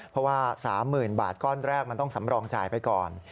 เพราะว่า๓๐๐๐บาทก้อนแรกมันต้องสำรองจ่ายไปก่อน